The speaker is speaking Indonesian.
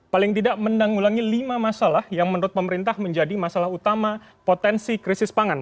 paling tidak menanggulangi lima masalah yang menurut pemerintah menjadi masalah utama potensi krisis pangan